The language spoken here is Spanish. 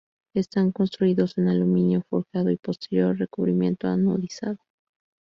Están construidos en aluminio forjado y posterior recubrimiento anodizado.